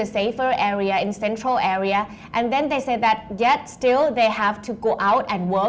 และไม่เชื่อมันปลอดภัย